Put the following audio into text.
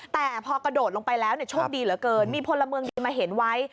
แต่พอกระโดดลงไปแล้วโชคดีเหลือเกินมีพลเมืองดีมาเห็นไว้